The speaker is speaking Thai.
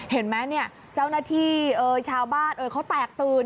เห็นไหมนี่เจ้าหน้าที่ชาวบ้านเขาแตกตื่น